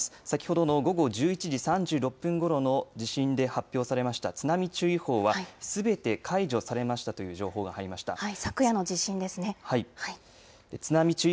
先ほどの午後１１時３６分ごろの地震で発表されました津波注意報はすべて解除されましたという情報が入りました。